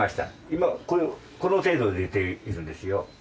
今は、たぶんこの程度出ているんですよ。